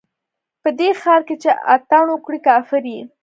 په دې ښار کښې چې اتڼ وکړې، کافر يې